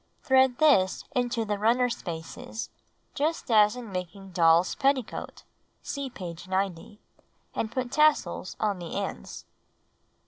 Thread this into the runner spaces just as in making doll'a petticoat (see page 90), and put tassels on the ends.